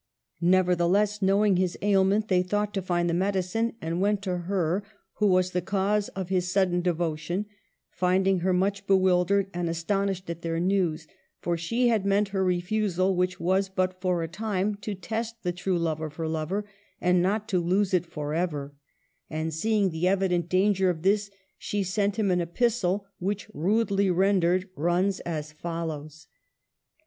Nevertheless, knowing his ailment, they thought to find the medicine, and went to her who was the cause of his sudden devotion, finding her much bewildered and astonished at their news, for she had meant her refusal, which was but for a time, to test the true love of her lover, and not to lose it forever ; and seeing the evident danger of this, she sent him an epistle, which, rudely rendered, runs as follows :— 232 MARGARET OF ANGOUL^ME.